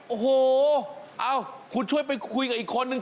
โอ้โหเอ้าคุณช่วยไปคุยกับอีกคนนึง